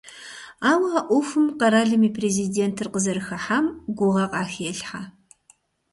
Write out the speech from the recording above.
Ауэ а Ӏуэхум къэралым и Президентыр къызэрыхыхьам гугъэ къахелъхьэ.